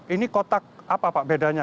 ini kotak apa pak bedanya